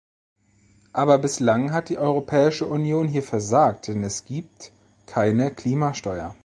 Aber bislang hat die Europäische Union hier versagt, denn es gibt keine Klimasteuer.